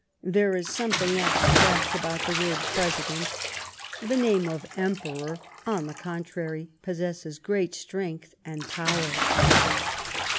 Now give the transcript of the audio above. There is something abstract about the word ' presi dence '; the name of ' Emperor,' on the contrary, possesses great strength and power."